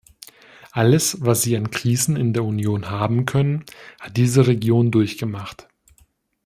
Alles was sie an Krisen in der Union haben können, hat diese Region durchgemacht!